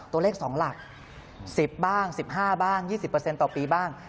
ตัวเลขสองหลักสิบบ้างสิบห้าบ้างยี่สิบเปอร์เซ็นต์ต่อปีบ้าง